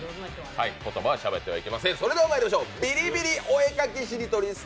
言葉はしゃべってはいけません！